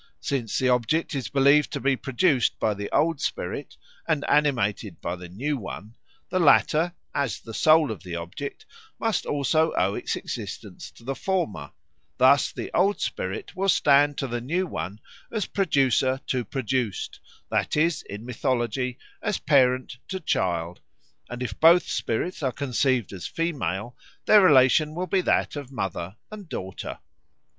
Since the object is believed to be produced by the old spirit, and animated by the new one, the latter, as the soul of the object, must also owe its existence to the former; thus the old spirit will stand to the new one as producer to produced, that is, in mythology, as parent to child, and if both spirits are conceived as female, their relation will be that of mother and daughter.